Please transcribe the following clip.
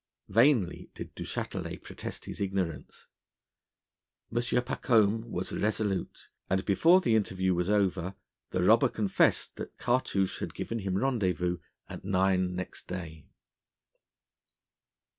Vainly did Du Châtelet protest his ignorance. M. Pacôme was resolute, and before the interview was over the robber confessed that Cartouche had given him rendezvous at nine next day.